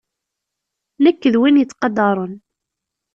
Nekk d win yettqadaren.